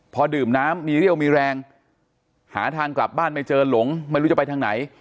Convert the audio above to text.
พอดื่มน้ำมีเรี่ยวมีแรงหาทางกลับบ้านไม่เจอหลงไม่รู้จะไปทางไหน